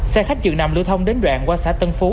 xe khách chiều nằm lưu thông đến đoạn qua xã tân phú